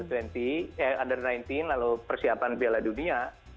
under sembilan belas lalu persiapan piala dunia